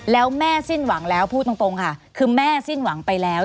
แล้วแม่สิ้นหวังแล้วพูดตรงค่ะคือแม่สิ้นหวังไปแล้ว